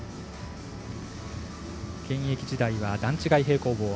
現役時代は段違い平行棒。